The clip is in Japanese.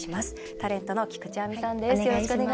タレントの菊地亜美さんです。